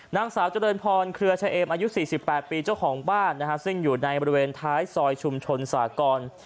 นางสาวเจริญพรเครือชะเอมอายุ๔๘ปีเจ้าของบ้านนะฮะซึ่งอยู่ในบริเวณท้ายซอยชุมชนสากร